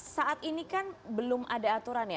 saat ini kan belum ada aturan ya